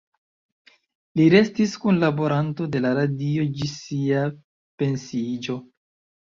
Li restis kunlaboranto de la radio ĝis sia pensiiĝo.